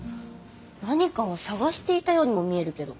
何かを探していたようにも見えるけど。